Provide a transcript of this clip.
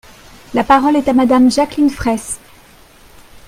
La parole est à Madame Jacqueline Fraysse.